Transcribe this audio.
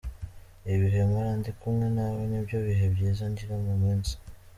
Ibihe mara ndi kumwe nawe nibyo bihe byiza ngira mu munsi.